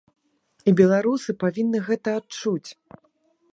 І беларусы павінны гэта адчуць.